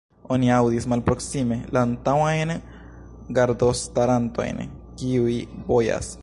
Oni aŭdis, malproksime, la antaŭajn gardostarantojn, kiuj bojas.